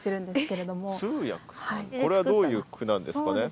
これはどういう句なんですかね？